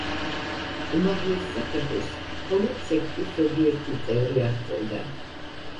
უმაღლეს საფეხურს მხოლოდ სექტის ზოგიერთი წევრი აღწევდა.